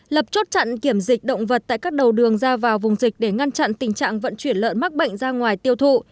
lập chốt chặn kiểm dịch động vật tại các đầu đường ra vào vùng dịch để ngăn chặn tình trạng vận chuyển lợn mắc bệnh ra ngoài tiêu thụ